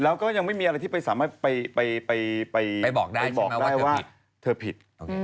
แล้วก็ยังไม่มีอะไรที่ไปสามารถไปบอกได้ว่าเธอผิด